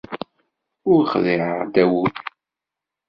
Ur xdiɛeɣ Dawed.